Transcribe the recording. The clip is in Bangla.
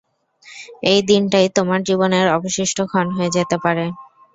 এই দিনটাই তোমার জীবনের অবশিষ্ট ক্ষণ হয়ে যেতে পারে।